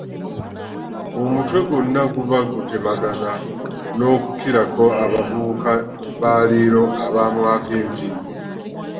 Omutwe gwonna guba gutemagana n’okukirako abavubuka ba leero abamwako enviiri.